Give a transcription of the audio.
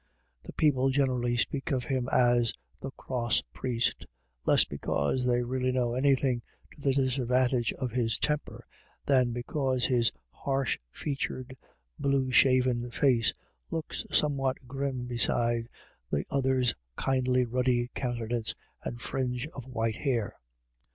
The people generally speak of him as " the cross priest," less because they really know anything to the disad vantage of his temper, than because his harsh featured, blue shaven face looks somewhat grim beside the other's kindly ruddy countenance and fringe of white hair.